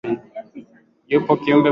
yupo kiumbe mwenye uwezo wa kutembea juu